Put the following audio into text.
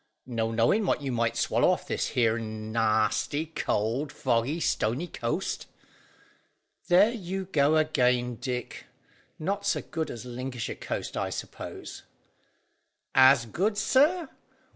"No knowing what you might swallow off this here nasty, cold, foggy, stony coast." "There you go again, Dick; not so good as Lincolnshire coast, I suppose?" "As good, sir?